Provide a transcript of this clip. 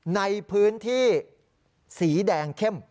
ในพื้นที่สีแดงเข้ม